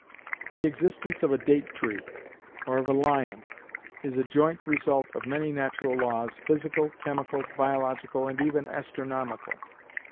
The existence of a date tree, or of a lion, is a joint result of many natural laws, physical, chemical, biological, and even astronomical.